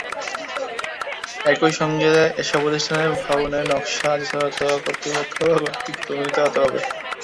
একই সঙ্গে এসব প্রতিষ্ঠানের ভবনের নকশা যথাযথ কর্তৃপক্ষ কর্তৃক অনুমোদিত হতে হবে।